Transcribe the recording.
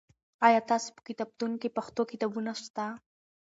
آیا ستاسې په کتابتون کې پښتو کتابونه سته؟